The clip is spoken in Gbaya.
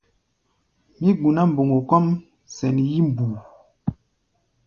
Mí guná mboŋgo kɔ́ʼm sɛn yí-mbuu.